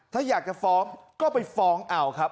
ถ้าอยากจะฟ้องก็ไปฟ้องเอาครับ